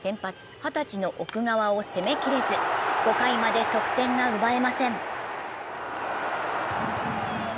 ・二十歳の奥川を攻めきれず、５回まで得点が奪えません。